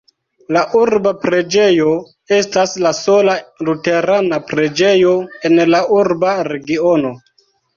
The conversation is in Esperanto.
La urba preĝejo estas la sola luterana preĝejo en la urba regiono.